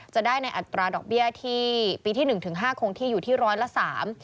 จะได้ในอัตราดอกเบี้ยที่ปีที่๑๕โครงที่อยู่ที่ร้อยละ๓